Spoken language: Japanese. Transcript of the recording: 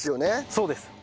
そうです。